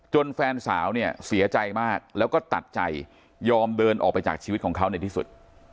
แฟนสาวเนี่ยเสียใจมากแล้วก็ตัดใจยอมเดินออกไปจากชีวิตของเขาในที่สุด